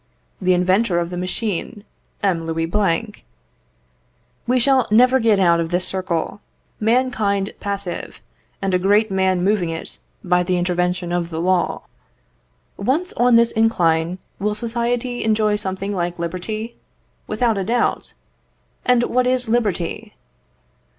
The inventor of the machine, M. Louis Blanc. We shall never get out of this circle mankind passive, and a great man moving it by the intervention of the law. Once on this incline, will society enjoy something like liberty? Without a doubt. And what is liberty?